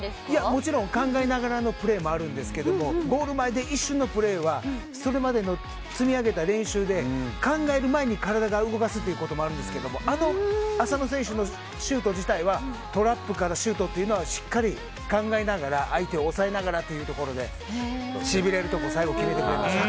もちろん、考えがらのプレーもあるんですがゴール前の一瞬のプレーはそれまでに積み上げた練習で考える前に体を動かすということもあるんですがあの浅野選手のシュート自体はトラップからシュートというのはしっかり考えながら相手を抑えながらというところでしびれるところに最後決めてくれました。